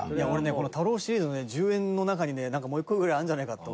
この太郎シリーズの１０円の中になんか、もう１個ぐらいあるんじゃないかって。